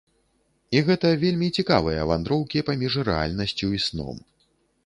І гэта вельмі цікавыя вандроўкі паміж рэальнасцю і сном.